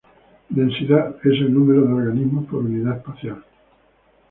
Densidad es el número de organismos por unidad espacial.